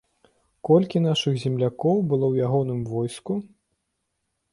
Колькі нашых землякоў было ў ягоным войску?